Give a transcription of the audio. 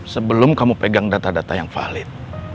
sebelum kamu pegang data data yang valid